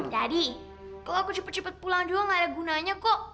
daddy kalau aku cepet cepet pulang juga gak ada gunanya kok